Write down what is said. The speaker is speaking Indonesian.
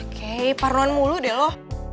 oke paruhan mulu deh lo